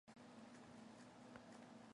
Гэхдээ энэ арга хамгийн шилдэг арга биш.